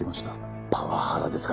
パワハラですか。